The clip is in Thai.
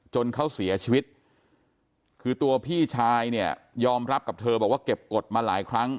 จนเขาเสียชีวิตคือตัวพี่ชายเนี่ยยอมรับกับเธอบอกว่าเก็บกฎมาหลายครั้ง